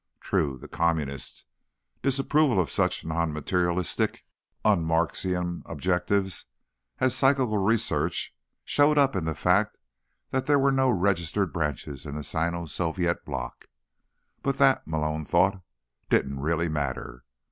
True, the Communist disapproval of such non materialistic, un Marxian objectives as Psychical Research showed up in the fact that there were no registered branches in the Sino Soviet bloc. But that, Malone thought, didn't really matter.